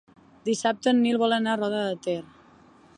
Dissabte en Nil vol anar a Roda de Ter.